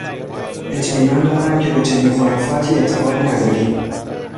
اطمینان دارم که به چنین خرافاتی اعتقاد نداری!